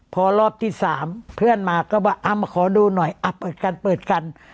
พอรอบที่๓เพื่อนมาก็ว่าเอามาขอดูหน่อยเปิดกันเปิดกัน